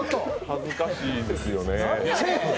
恥ずかしいですよね。